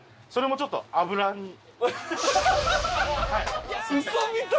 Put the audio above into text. それもちょっと油に。